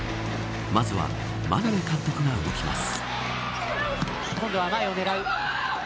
まずは、眞鍋監督が動きます。